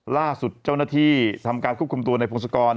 ล่าสุดเจ้าหน้าที่ทำการควบคุมตัวในพงศกร